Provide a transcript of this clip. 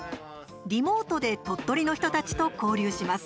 リモートで鳥取の人たちと交流します。